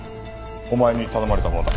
お前に頼まれたものだ。